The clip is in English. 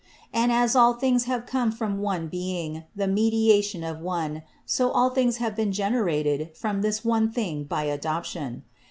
"And as all things have come from one being, the meditation of one, so all things have been generated from this one thing by adoption.